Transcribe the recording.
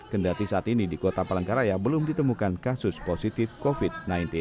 kendati saat ini di kota palangkaraya belum ditemukan kasus positif covid sembilan belas